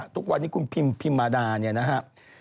ทุกวันนี้คุณพิมพิมมาดาเนี่ยนะครับ